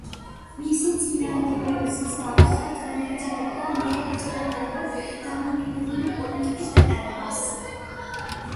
მისი წინამორბედის მსგავსად განაგრძობდა მეტ-ნაკლებად დამოუკიდებელი პოლიტიკის გატარებას.